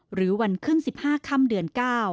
หรือวันครึ่ง๑๕คเดือน๙